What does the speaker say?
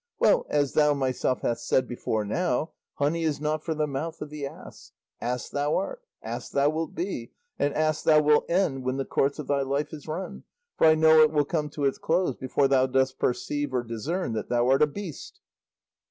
Well, as thou thyself hast said before now, honey is not for the mouth of the ass. Ass thou art, ass thou wilt be, and ass thou wilt end when the course of thy life is run; for I know it will come to its close before thou dost perceive or discern that thou art a beast."